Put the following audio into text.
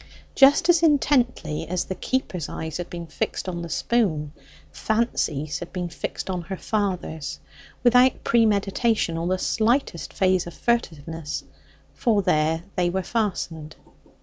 Just as intently as the keeper's eyes had been fixed on the spoon, Fancy's had been fixed on her father's, without premeditation or the slightest phase of furtiveness; but there they were fastened.